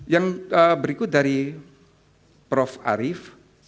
yang berikut dari prof arief